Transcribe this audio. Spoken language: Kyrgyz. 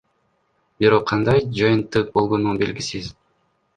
Бирок кандай жыйынтык болгону белгисиз.